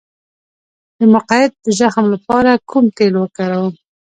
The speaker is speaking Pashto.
د مقعد د زخم لپاره کوم تېل وکاروم؟